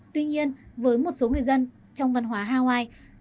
tuy nhiên với một số người dân trong văn hóa hawaii